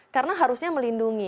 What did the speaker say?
karena harusnya melindungi